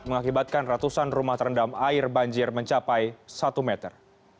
mengakibatkan ratusan rumah terendam air banjir mencapai satu meter